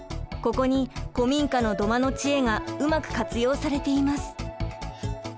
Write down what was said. ここに古民家の土間の知恵がうまく活用されています。